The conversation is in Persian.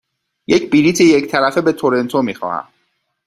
یک بلیط یک طرفه به تورنتو می خواهم.